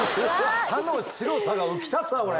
歯の白さが浮き立つなあこれ！